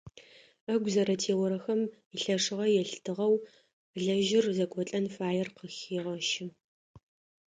Ӏэгу зэрэтеохэрэм илъэшыгъэ елъытыгъэу лэжъыр зэкӏолӏэн фаер къыхегъэщы.